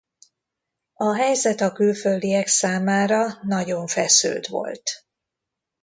A helyzet a külföldiek számára nagyon feszült volt.